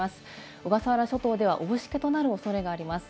小笠原諸島では大しけとなる恐れがあります。